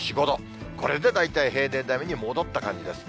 これで大体平年並みに戻った感じです。